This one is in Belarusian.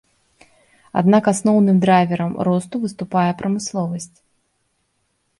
Аднак асноўным драйверам росту выступае прамысловасць.